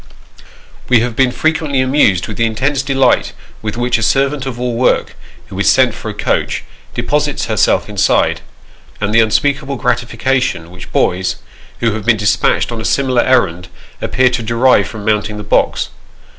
We have been frequently amused with the intense delight with which " a servant of all work," who is sent for a coach, deposits her self inside ; and the unspeakable gratification which boys, who have been despatched on a similar errand, appear to derive from mounting the box.